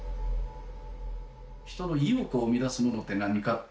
人の意欲を生み出すものって何か。